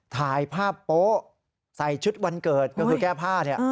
ถ่ายภาพโป๊ะใส่ชุดวันเกิดก็คือแก้ผ้าเนี่ย